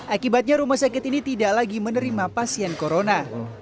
akibatnya rumah sakit ini tidak lagi menerima pasien corona